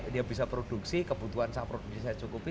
dia bisa produksi kebutuhan saya produksi cukupi